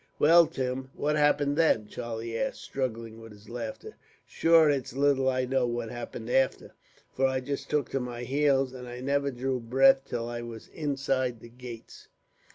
"Well, Tim, what happened then?" Charlie asked, struggling with his laughter. "Shure it's little I know what happened after, for I just took to my heels, and I never drew breath till I was inside the gates."